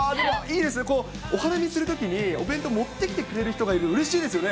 お花見するときに、お弁当持ってきてくれる人がいると、うれしいですよね。